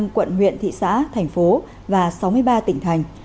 bảy trăm linh năm quận huyện thị xã thành phố và sáu mươi ba tỉnh thành